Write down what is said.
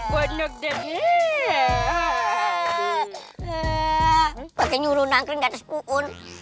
bagaimana nyuruh nangkring di atas pohon